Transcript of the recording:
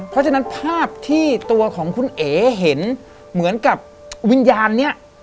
เพราะฉะนั้นภาพที่ตัวของคุณเอ๋เห็นเหมือนกับวิญญาณนี้